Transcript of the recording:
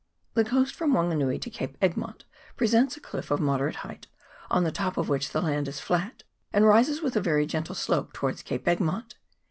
The coast from Wanganui to Cape Egmont pre sents a cliff of moderate height, on the top of which the land is flat, and rises with a very gentle slope towards Cape Egmont.